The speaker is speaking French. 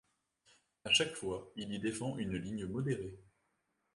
À chaque fois, il y défend une ligne modérée.